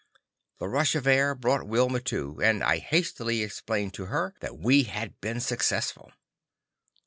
The rush of air brought Wilma to, and I hastily explained to her that we had been successful.